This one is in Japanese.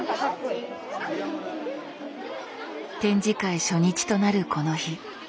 展示会初日となるこの日。